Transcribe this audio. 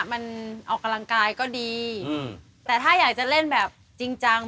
มันออกกำลังกายก็ดีแต่ถ้าอยากจะเล่นแบบจริงจัง